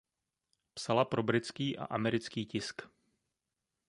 Psala pro britský a americký tisk.